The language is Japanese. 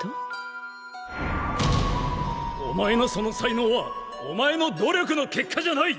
お前のその才能はお前の努力の結果じゃない！